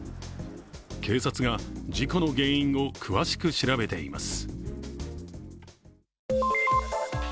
警察が事故の原因を詳しく調べています。